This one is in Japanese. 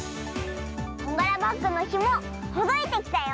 こんがらバッグのひもほどいてきたよ。